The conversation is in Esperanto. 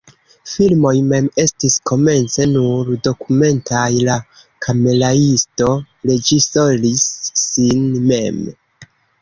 Filmoj mem estis komence nur dokumentaj, la kameraisto reĝisoris sin mem.